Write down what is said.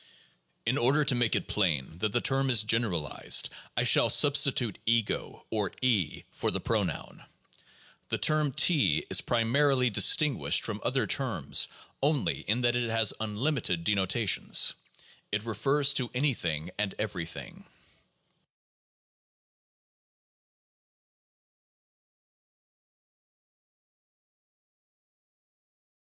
In order to make it plain that the term is generalized, I shall substitute ego, or E, for the pronoun. The term T is pri marily distinguished from other terms only in that it has unlimited denotation; it refers to anything and everything.